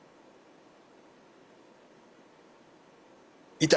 いた！